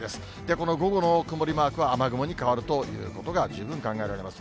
この午後の曇りマークは雨雲に変わるということが十分考えられます。